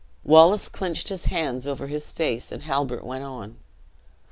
Wallace clinched his hands over his face, and Halbert went on.